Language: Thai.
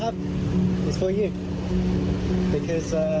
กากขอภัยมาเล่นโยนสีบ้า